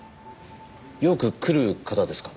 よく来る方ですか？